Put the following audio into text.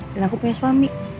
dan aku punya suami